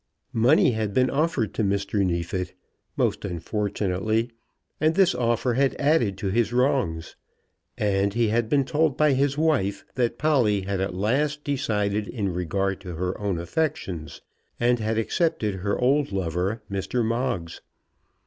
Money had been offered to Mr. Neefit, most unfortunately, and this offer had added to his wrongs. And he had been told by his wife that Polly had at last decided in regard to her own affections, and had accepted her old lover, Mr. Moggs.